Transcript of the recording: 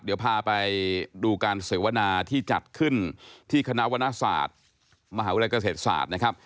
เดี๋ยวพาไปดูการเสวนาที่จัดขึ้นที่คณะวรรณศาสตร์มหาวิทยาลัยเกษตรศาสตร์นะครับ